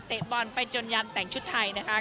บอลไปจนยันแต่งชุดไทยนะคะ